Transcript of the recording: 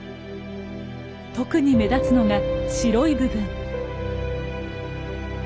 特に目立つのが白い部分。